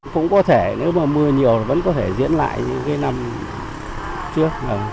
không có thể nếu mà mưa nhiều thì vẫn có thể diễn lại như cái năm trước